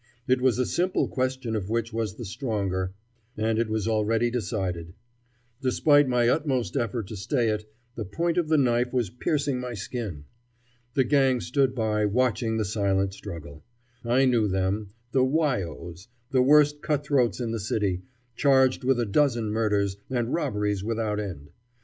It was a simple question of which was the stronger, and it was already decided. Despite my utmost effort to stay it, the point of the knife was piercing my skin. The gang stood by, watching the silent struggle. I knew them the Why os, the worst cutthroats in the city, charged with a dozen murders, and robberies without end.